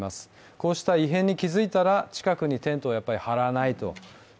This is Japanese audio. こうした異変に気付いたら近くにテントをやっぱり張らないと。